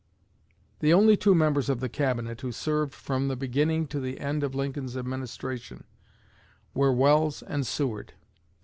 The only two members of the Cabinet who served from the beginning to the end of Lincoln's administration were Welles and Seward.